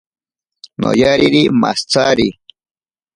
Noyariri mashitsari.